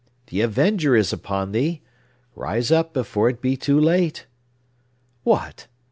The Avenger is upon thee! Rise up, before it be too late! What!